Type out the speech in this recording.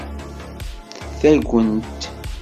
Taggent.